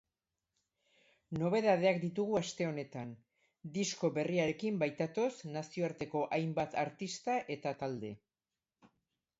Nobedadeak ditugu aste honetan, disko berriarekin baitatoz nazioarteko hainbat artista eta talde.